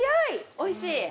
おいしい？